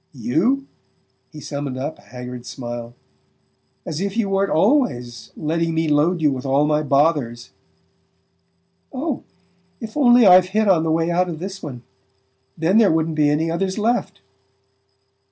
"You?" He summoned up a haggard smile. "As if you weren't always letting me load you with all my bothers!" "Oh, if only I've hit on the way out of this one! Then there wouldn't be any others left!"